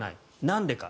なんでか。